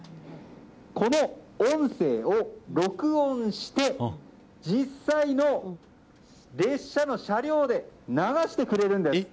この音声を録音して実際の列車の車両で流してくれるんです。